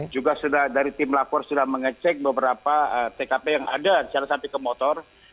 juga sudah dari tim lapor sudah mengecek beberapa tkp yang ada secara sampai ke motor